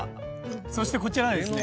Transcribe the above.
そしてこちらがですね